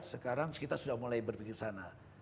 sekarang kita sudah mulai berpikir sana